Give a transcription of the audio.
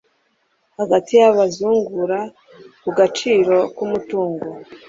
hagati y abazungura ku gaciro k umutungo